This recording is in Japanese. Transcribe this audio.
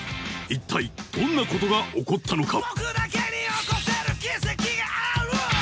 一体どんなことが起こったのか？